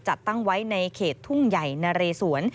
จัดตั้งไว้ในเขตทุ่งใหญ่นะเรสวน